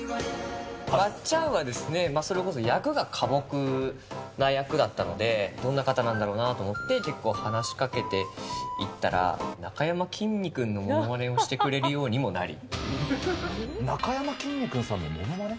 まっちゃんはですね、それこそ役が寡黙な役だったので、どんな方なんだろうなと思って、結構話しかけていったら、なかやまきんに君のものまねをしてくれるようになり。